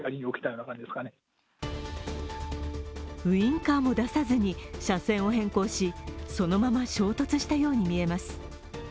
ウインカーも出さずに車線を変更しそのまま衝突したように見えます。